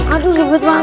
aduh lebet banget